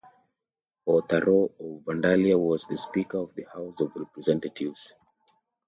Arthur Roe of Vandalia was the Speaker of the House of Representatives.